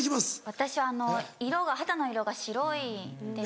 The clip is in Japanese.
私あの色が肌の色が白いんで。